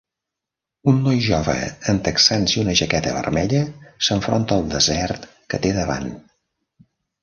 Un noi jove en texans i una jaqueta vermella s'enfronta al desert que té davant.